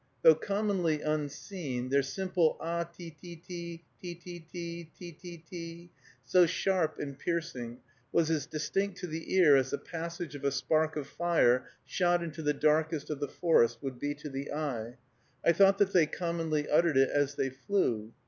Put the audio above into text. Though commonly unseen, their simple ah, te te te, te te te, te te te, so sharp and piercing, was as distinct to the ear as the passage of a spark of fire shot into the darkest of the forest would be to the eye. I thought that they commonly uttered it as they flew.